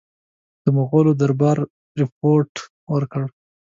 د مغولو دربار رپوټ ورکړ.